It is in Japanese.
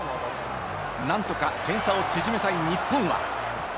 何とか点差を縮めたい日本は。